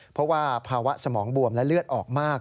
เพราะว่าภาวะสมองบวมและเลือดออกมาก